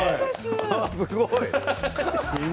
すごい。